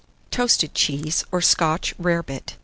TOASTED CHEESE, or SCOTCH RARE BIT.